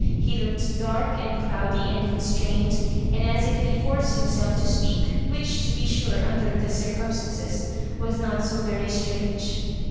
He looked dark and cloudy, and constrained, and as if he forced himself to speak ; which, to be sure, under the circumstances, was not so very strange.